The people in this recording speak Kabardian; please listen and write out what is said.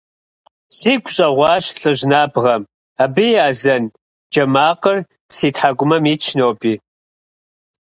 Сигу щӀэгъуащ лӀыжь набгъэм, абы и азэн джэ макъыр си тхьэкӀумэм итщ ноби…